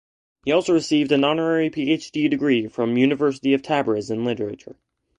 He also received an honorary Ph.D. degree from University of Tabriz in Literature.